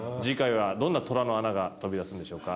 鵑どんな虎の穴が飛び出すんでしょうか？